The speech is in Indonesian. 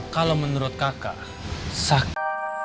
kalau menurut kakak sakti